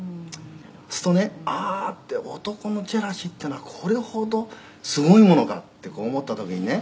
「するとねああーって男のジェラシーっていうのはこれほどすごいものかって思った時にね